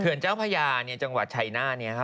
เขื่อนเจ้าพญาจังหวัดชัยนาฑ